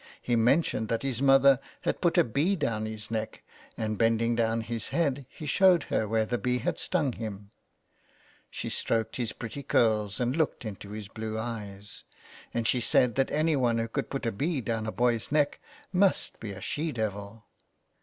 He mentioned that his mother had put a bee down his neck, and bending down his head he showed her where the bee had stung him. She stroked his pretty curls and looked into his blue 291 so ON HE FARES. eyes, and she said that anyone who could put a bee down a boy's neck must be a she devil.